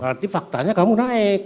berarti faktanya kamu naik